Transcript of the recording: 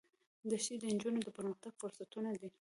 دښتې د نجونو د پرمختګ فرصتونه دي.